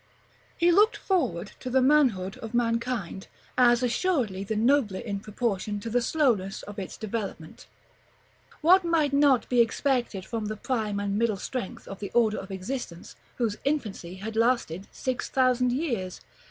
He looked forward to the manhood of mankind, as assuredly the nobler in proportion to the slowness of its developement. What might not be expected from the prime and middle strength of the order of existence whose infancy had lasted six thousand years?